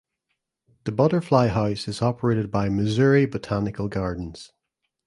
The Butterfly House is operated by Missouri Botanical Gardens.